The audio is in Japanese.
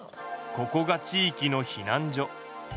ここが地いきの避難所。